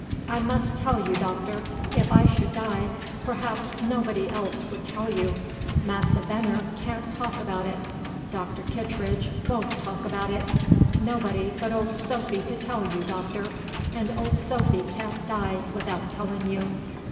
I must tell you, Doctor: if I should die, perhaps nobody else would tell you. Massa Veneer can't talk about it. Doctor Kittredge won't talk about it. Nobody but old Sophy to tell you, Doctor; and old Sophy can't die without telling you."